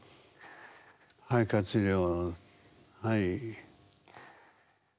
肺活量はい。